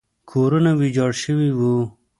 کورونه ویجاړ شوي وو.